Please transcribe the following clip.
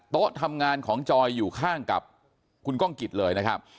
โต๊ะทำงานของจอยอยู่ข้างกับคุณก้องกิจเลยนะครับ